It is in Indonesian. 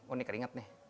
oh ini keringet nih